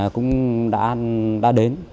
cũng đã đến